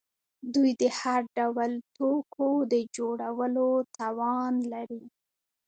دوی د هر ډول توکو د جوړولو توان لري.